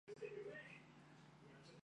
株式会社舞滨度假区线的营运管理。